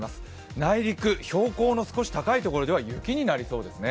内陸、標高の少し高いところでは雪になりそうですね。